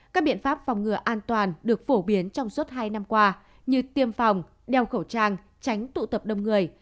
các biện pháp phòng ngừa an toàn được phổ biến trong suốt hai năm qua như tiêm phòng đeo khẩu trang tránh tụ tập đông người